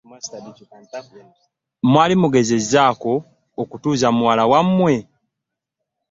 Mwali mugezezzaako okutuuza muwala wammwe?